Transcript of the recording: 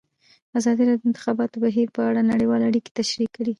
ازادي راډیو د د انتخاباتو بهیر په اړه نړیوالې اړیکې تشریح کړي.